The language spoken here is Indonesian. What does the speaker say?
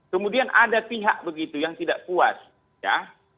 kemudian ada pihak begitu yang tidak puas ya